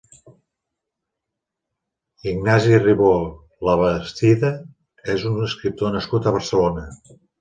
Ignasi Ribó Labastida és un escriptor nascut a Barcelona.